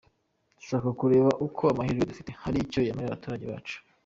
Dushaka kureba uko amahirwe dufite hari icyo yamarira Abaturage bacu.